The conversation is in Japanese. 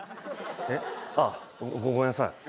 えっああごめんなさい。